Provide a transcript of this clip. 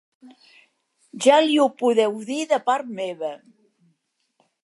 Ja li ho podeu dir de part meva.